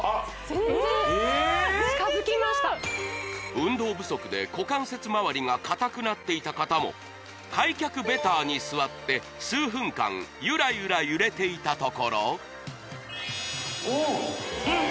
全然違う運動不足で股関節周りが硬くなっていた方も開脚ベターに座って数分間ゆらゆら揺れていたところ・おおっ！